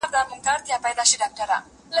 د کاوبای او د شیخانو لیونتوب کې